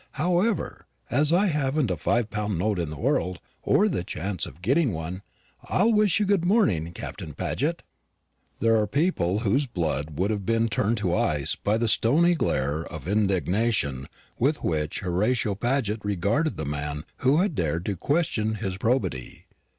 However, as I haven't a five pound note in the world, or the chance of getting one, I'll wish you good morning, Captain Paget." There are people whose blood would have been turned to ice by the stony glare of indignation with which Horatio Paget regarded the man who had dared to question his probity.